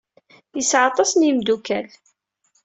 Yesɛa aṭas n yimeddukal.